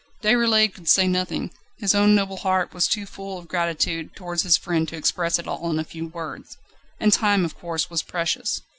Déroulède could say nothing. His own noble heart was too full of gratitude towards his friend to express it all in a few words. And time, of course, was precious.